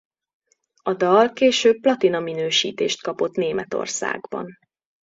A dal később platina minősítést kapott Németországban.